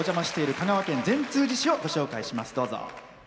香川県善通寺市をご紹介します。